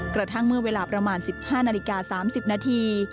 กระทั่งเมื่อเวลาประมาณ๑๕นาฬิกา๓๐นาที